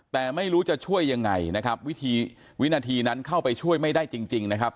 แต่ไม่รู้จะช่วยยังไงนะครับวิธีวินาทีนั้นเข้าไปช่วยไม่ได้จริงนะครับ